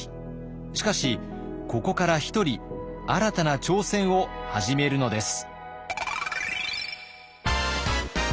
しかしここから一人新たな挑戦を始めるのです。